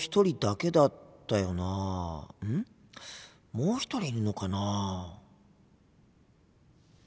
もう１人いるのかな？